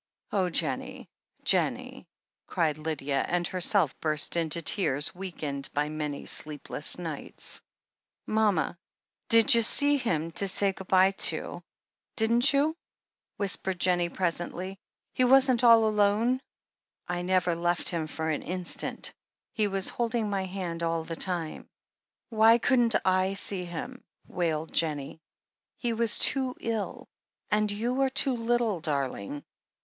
"Oh, Jennie, Jennie !" cried Lydia, and herself burst into tears, weakened by many sleepless nights. 'Mama, you did see him to say good bye to, didn't €i' 340 THE HEEL OF ACHILLES you?" whispered Jennie presently. "He wasn't all alone f^' "I never left him for an instant. He was holding my hand all the time " "Why couldn't / see him?" wailed Jennie. "He was too ill, and you are too little, darling."